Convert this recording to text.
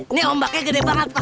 ini ombaknya gede banget pak